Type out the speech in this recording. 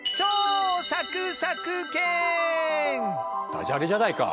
ダジャレじゃないか。